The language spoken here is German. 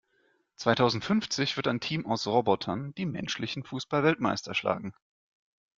Zweitausendfünfzig wird ein Team aus Robotern die menschlichen Fußballweltmeister schlagen.